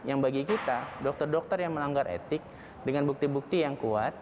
yang bagi kita dokter dokter yang melanggar etik dengan bukti bukti yang kuat